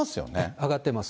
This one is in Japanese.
上がってます。